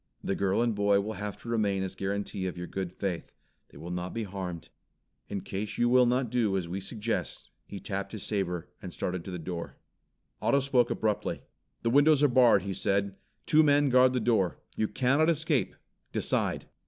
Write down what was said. The girl and boy will have to remain as guarantee of your good faith. They will not be harmed. In case you will not do as we suggest " He tapped his saber, and started to the door. Otto spoke abruptly. "The windows are barred," he said. "Two men guard the door. You cannot escape. Decide!"